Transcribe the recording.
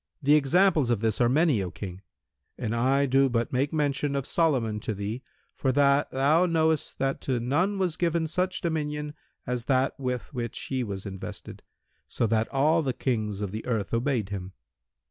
The examples of this are many, O King, and I do but make mention of Solomon to thee for that thou knowest that to none was given such dominion as that with which he was invested, so that all the Kings of the earth obeyed him.